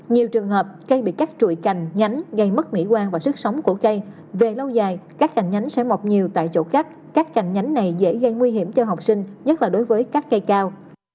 nhiều trường hợp cây bị cắt trụi cành nhánh gây mất mỹ quan và sức sống của cây về lâu dài các hàng nhánh sẽ mọc nhiều tại chỗ cắt các cành nhánh này dễ gây nguy hiểm cho học sinh nhất là đối với các cây cao